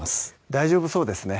大丈夫そうですね